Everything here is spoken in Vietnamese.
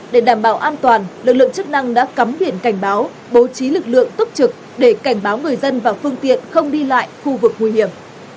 để đảm bảo an toàn lực lượng chức năng đã cắm biển cảnh báo bố trí lực lượng tốc trực để cảnh báo người dân và phương tiện không đi lại khu vực nguy hiểm